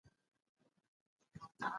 هغه د خپل علم په رڼا کي پرېکړه وکړه.